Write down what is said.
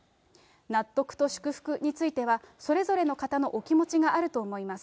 納得と祝福については、それぞれの方のお気持ちがあると思います。